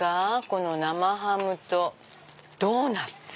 この生ハムとドーナツ。